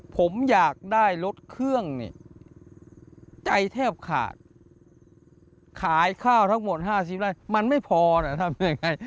ผมอยากได้รถเครื่องเนี่ยใจแทบขาดขายข้าวทั้งหมด๕๐ไร่มันไม่พอนะทำยังไง